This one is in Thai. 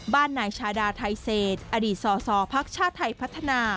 บ้านนายชาดาไทยเศสอดีตส่อพักชาติไทยพัฒนา